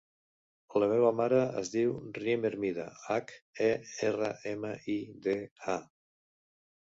La meva mare es diu Rim Hermida: hac, e, erra, ema, i, de, a.